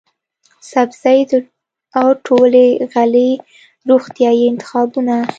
سبزۍ او ټولې غلې روغتیايي انتخابونه،